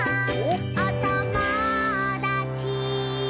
「おともだち」